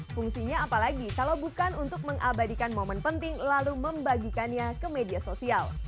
fungsinya apalagi kalau bukan untuk mengabadikan momen penting lalu membagikannya ke media sosial